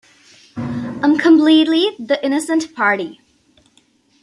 I'm completely the innocent party.